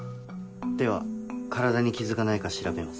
では体に傷がないか調べます。